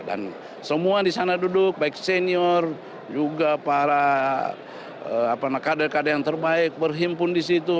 dan semua di sana duduk baik senior juga para kader kader yang terbaik berhimpun di situ